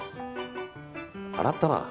洗ったな。